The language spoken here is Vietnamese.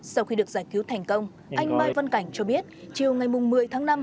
sau khi được giải cứu thành công anh mai văn cảnh cho biết chiều ngày một mươi tháng năm